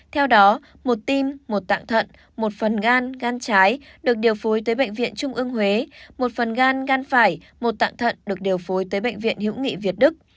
theo đó một tim một tạng thận một phần gan gan trái được điều phối tới bệnh viện trung ương huế một phần gan gan phải một tạng thận được điều phối tới bệnh viện hữu nghị việt đức